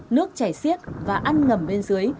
nước chảy siết và ăn ngầm bên dưới